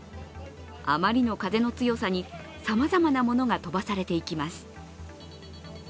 あまりの風の強さにさまざまなものが飛ばされていきます。